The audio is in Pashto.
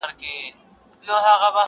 يوه ورځ د لوى ځنگله په يوه كونج كي؛